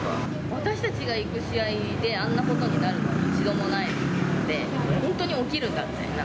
私たちが行く試合であんなことになるのは一度もないので、本当に起きるんだみたいな。